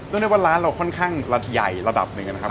เรียกได้ว่าร้านเราค่อนข้างใหญ่ระดับหนึ่งนะครับ